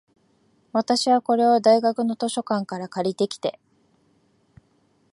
私は、これを大学の図書館から借りてきて、